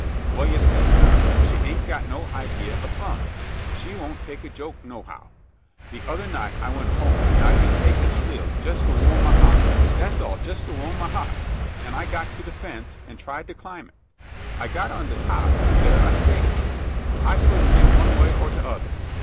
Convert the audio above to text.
"'Well, you see, suh, she ain't got no idee o' fun she won't take a joke nohow. The other night I went home, an' I been takin' a little jes' to waam ma heart das all, jes to waam ma heart an' I got to de fence, an' tried to climb it. I got on de top, an' thar I stays; I couldn't git one way or t'other.